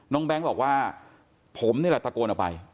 แบงค์บอกว่าผมนี่แหละตะโกนออกไป